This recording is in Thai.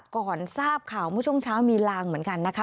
ก่อนทราบข่าวเมื่อช่วงเช้ามีลางเหมือนกันนะคะ